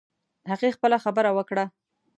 هغې خپله خبره وکړه